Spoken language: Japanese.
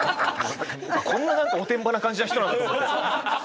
こんな何かおてんばな感じの人なんだと思って。